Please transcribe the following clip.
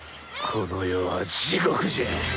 この世は地獄じゃ！